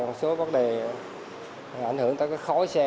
một số vấn đề ảnh hưởng tới khói xe